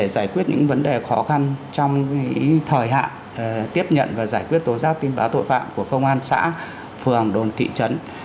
giải quyết những vấn đề khó khăn trong thời hạn tiếp nhận và giải quyết tố giác tin báo tội phạm của công an xã phường đồn thị trấn